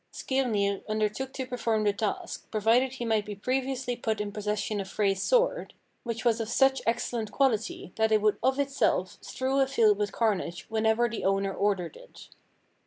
Skirnir undertook to perform the task, provided he might be previously put in possession of Frey's sword, which was of such excellent quality that it would of itself strew a field with carnage whenever the owner ordered it.